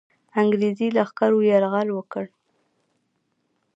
انګرېزي لښکرو یرغل وکړ.